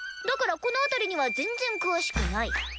だからこの辺りには全然詳しくない。